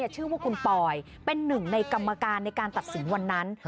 ชื่อว่าคุณปอยเป็นหนึ่งในกรรมการในการตัดสินวันนั้น